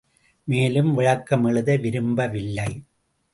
மேலும் விளக்கம் எழுத விரும்பவில்லை!